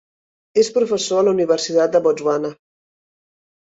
És professor a la Universitat de Botswana.